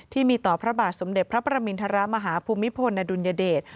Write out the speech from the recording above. ที่มีต่อพระบาทสมเด็จพระประมินทรมาฮภูมิพลอดุลยเดช